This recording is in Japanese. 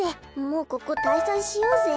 もうここたいさんしようぜ。